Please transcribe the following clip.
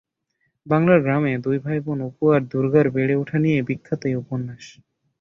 বাংলার গ্রামে দুই ভাইবোন অপু আর দুর্গার বেড়ে ওঠা নিয়েই বিখ্যাত এই উপন্যাস।